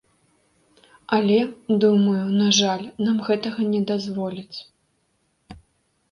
Але, думаю, на жаль, нам гэтага не дазволяць.